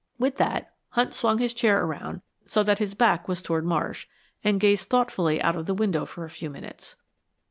With that, Hunt swung his chair around so that his back was toward Marsh, and gazed thoughtfully out of the window for a few minutes.